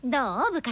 部活。